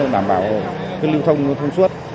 đảm bảo lưu thông thông suốt